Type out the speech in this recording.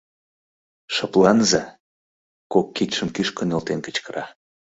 Шыпланыза! — кок кидшым кӱшкӧ нӧлтен кычкыра.